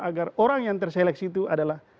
agar orang yang terseleksi itu adalah